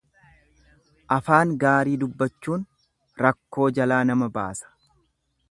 Afaan gaarii dubbachuun rakkoo jalaa nama baasa.